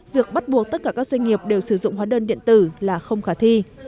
việc bắt buộc tất cả các doanh nghiệp đều sử dụng hóa đơn điện tử là không khả thi